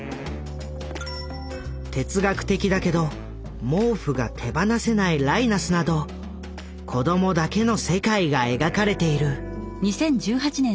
哲学的だけど毛布が手放せないライナスなど子供だけの世界が描かれている。